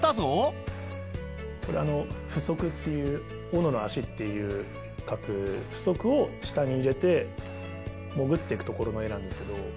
これあの斧足っていう斧の足って書く斧足を下に入れて潜ってくところの画なんですけど。